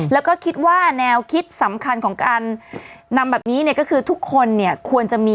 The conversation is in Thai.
แล้วก็คิดว่าแนวคิดสำคัญของการนำแบบนี้เนี่ยก็คือทุกคนเนี่ยควรจะมี